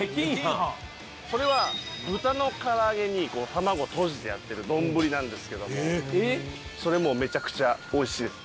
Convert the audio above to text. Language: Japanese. それは豚の唐揚げに卵をとじてある丼なんですけどもそれもうめちゃくちゃ美味しいです。